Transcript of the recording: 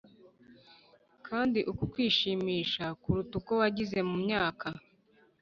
kandi uku kwishimisha kuruta uko wagize mumyaka.